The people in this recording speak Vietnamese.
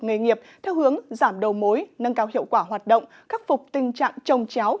nghề nghiệp theo hướng giảm đầu mối nâng cao hiệu quả hoạt động khắc phục tình trạng trồng chéo